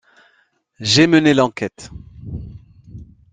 J’ai mené l’enquête.